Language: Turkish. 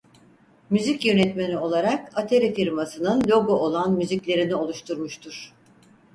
Müzik yönetmeni olarak Atari firmasının logo olan müziklerini oluşturmuştur.